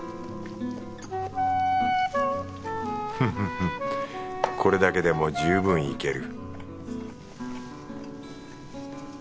フフフこれだけでも十分いける